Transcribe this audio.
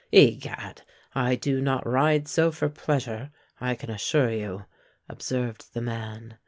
"Egad! I do not ride so for pleasure, I can assure you," observed the man.